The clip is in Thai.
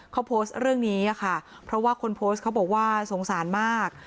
เขาโพสต์เรื่องนี้ค่ะเพราะว่าคนโพสต์เขาบอกว่าสงสารมาก